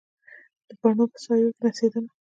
د بڼوڼو په سایو کې نڅېدمه